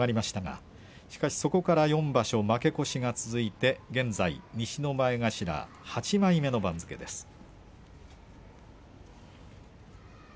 しかしそこから４場所負け越しが続いて現在、西の前頭８枚目です。